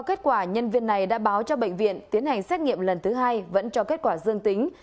kết quả nhân viên này đã báo cho bệnh viện tiến hành xét nghiệm lần thứ hai vẫn cho kết quả dương tính